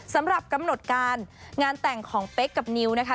สำหรับกำหนดการงานแต่งของเป๊กกับนิวนะคะ